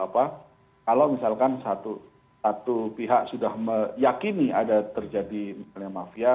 kalau misalkan satu pihak sudah meyakini ada terjadi misalnya mafia